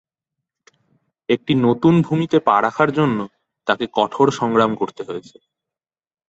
একটি নতুন ভূমিতে পা রাখার জন্য তাকে কঠোর সংগ্রাম করতে হয়েছে।